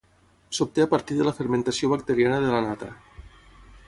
S'obté a partir de la fermentació bacteriana de la nata.